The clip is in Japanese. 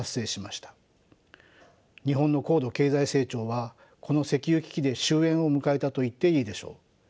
日本の高度経済成長はこの石油危機で終えんを迎えたといっていいでしょう。